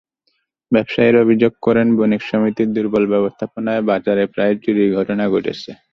ব্যবসায়ীরা অভিযোগ করেন, বণিক সমিতির দুর্বল ব্যবস্থাপনায় বাজারে প্রায়ই চুরির ঘটনা ঘটছে।